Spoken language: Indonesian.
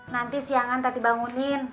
nanti siangan tati bangunin